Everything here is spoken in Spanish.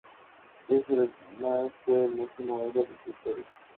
Ese además fue el máximo Elo en su historia.